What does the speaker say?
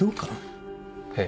ええ。